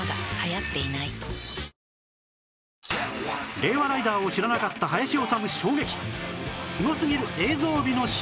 令和ライダーを知らなかった林修衝撃！